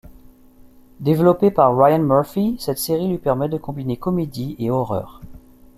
Développée par Ryan Murphy, cette série lui permet de combiner comédie et horreur.